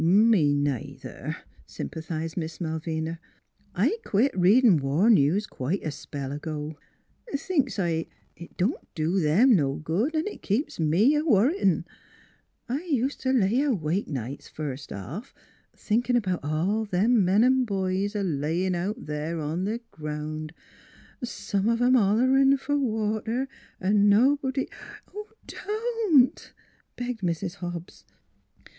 " Me neither," sympathized Miss Malvina. " I quit readin' war news quite a spell ago. Thinks s' I it don't do them no good an' it keeps me a worritin'. I us't t' lay awake nights, first off, thinkin' about all them men an' boys a layin' out there on th' ground some of 'em hollerin' fer water, an' nobody "" Don't! " begged Mrs. Hobbs.